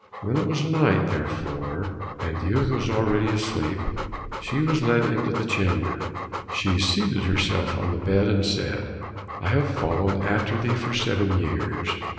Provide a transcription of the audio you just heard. When it was night, therefore, and the youth was already asleep, she was led into the chamber; she seated herself on the bed and said, "I have followed after thee for seven years.